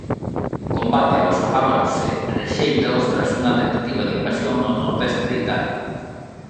Combate aos ávaros e rexéitaos tras unha tentativa de invasión no nordeste de Italia.